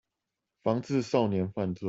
防治少年犯罪